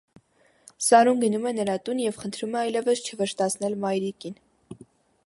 Սարուն գնում է նրա տուն և խնդրում է այլևս չվշտացնել մայրիկին։